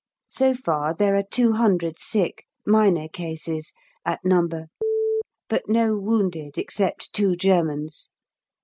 So far there are 200 sick, minor cases, at No. , but no wounded except two Germans.